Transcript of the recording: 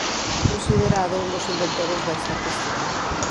É considerado un dos inventores da estatística.